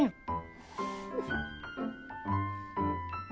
フフフ。